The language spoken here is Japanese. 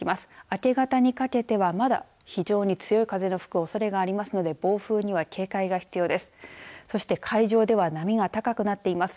明け方にかけてはまだ非常に強い風の吹くおそれがありますので暴風には警戒が必要です。